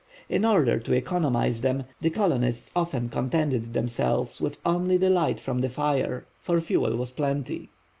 In order to economize them, the colonists often contented themselves with only the light from the fire; for fuel was plenty.